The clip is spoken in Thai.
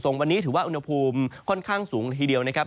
วันนี้ถือว่าอุณหภูมิค่อนข้างสูงละทีเดียวนะครับ